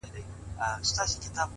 هره ورځ د نوې زده کړې امکان لري؛